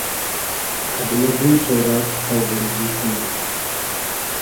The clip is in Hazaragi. قئد مۂ دو تۉرۂ کی تۆبیلجی کئنی